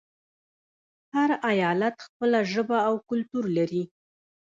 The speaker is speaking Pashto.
هر ایالت خپله ژبه او کلتور لري.